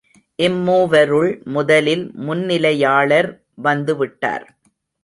இம்மூவருள், முதலில் முன்னிலையாளர் வந்து விட்டார்.